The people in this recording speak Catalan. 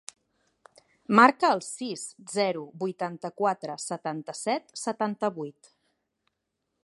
Marca el sis, zero, vuitanta-quatre, setanta-set, setanta-vuit.